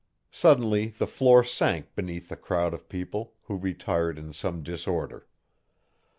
Suddenly the floor sank beneath the crowd of people, who retired in some disorder.